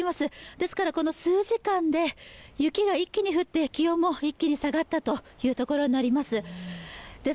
ですから、この数時間で雪が一気に降って、気温も一気に下がったところになります。